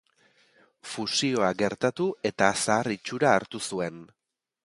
Fusioa gertatu eta zahar itxura hartu zuen.